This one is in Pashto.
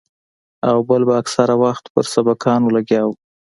او بل به اکثره وخت پر سبقانو لګيا وو.